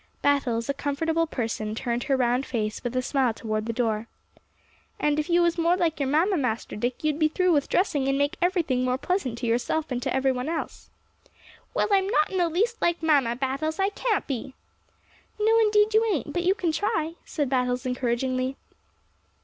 Battles, a comfortable person, turned her round face with a smile toward the door. "And if you was more like your mamma, Master Dick, you'd be through with dressing, and make everything more pleasant to yourself and to every one else." "Well, I'm not in the least like mamma, Battles; I can't be." "No, indeed, you ain't. But you can try," said Battles encouragingly.